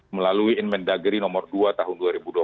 melalui invent daggeri nomor dua tahun dua ribu dua puluh satu